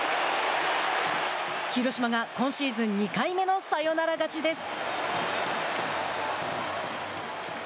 広島が今シーズン２回目のサヨナラ勝ちです。